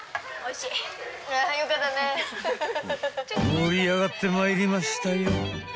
［盛り上がってまいりましたよ］